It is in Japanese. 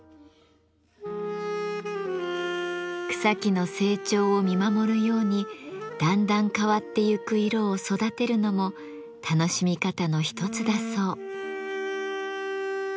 草木の成長を見守るようにだんだん変わってゆく色を育てるのも楽しみ方の一つだそう。